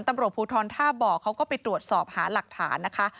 ตำรวจภูทรท่าบ่อเขาก็ไปตรวจสอบหาหลักฐานนะคะ